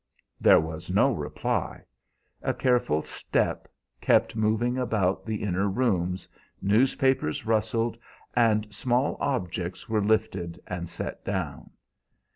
There was no reply. A careful step kept moving about the inner rooms, newspapers rustled, and small objects were lifted and set down.